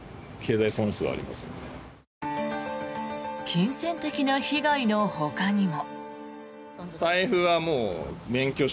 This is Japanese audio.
金銭的な被害のほかにも。